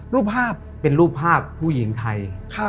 รูปภาพเป็นรูปภาพผู้หญิงไทย